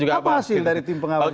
apa hasil dari tim pengawas